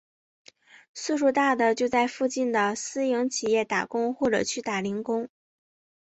岁数大的就在附近的私营企业打工或者去打零工。